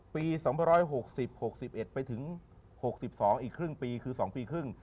๒๖๐๖๑ไปถึง๖๒อีกครึ่งปีคือ๒ปีครึ่ง